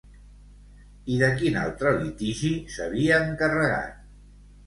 I de quin altre litigi s'havia encarregat?